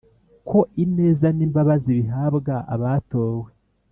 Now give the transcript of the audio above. ko ineza n’imbabazi bihabwa abatowe,